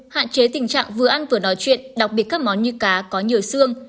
hạn chế tình trạng vừa ăn vừa nói chuyện đặc biệt các món như cá có nhiều xương